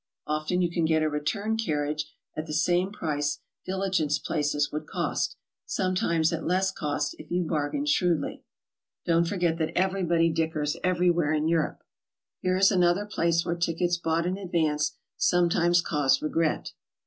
Often you can get a return carriage at the same price diligence places would cost, — sometimes at less cost, if you bargain shrewdly. (Don't forget that everybody dickers everywhere in Europe.) Here is another place where tickets bought in advance sometimes cause regret.